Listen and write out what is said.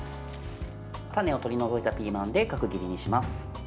種を取り除いたピーマンで角切りにします。